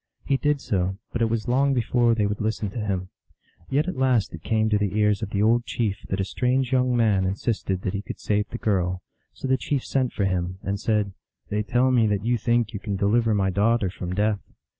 He did so, but it was long before they would listen to him. Yet at last it came to the ears of the old chief that a strange young man insisted that he could save the girl ; so the chief sent for him, and said, "They tell me that you think you can deliver my daughter from death.